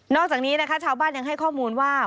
อกจากนี้นะคะชาวบ้านยังให้ข้อมูลว่า